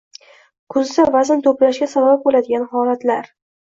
Kuzda vazn to‘plashga sabab bo‘ladigan holatlar